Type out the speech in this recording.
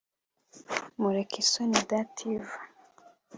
Murekeyisoni Dative